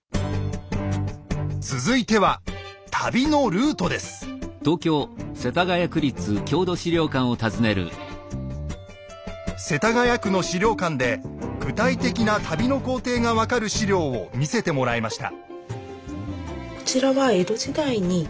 続いては世田谷区の資料館で具体的な旅の行程が分かる資料を見せてもらいました。